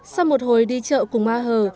sau một hồi đi chợ cùng a hờ